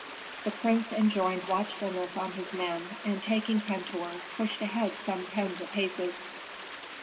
The prince enjoined watchfulness on his men, and taking Pentuer, pushed ahead some tens of paces.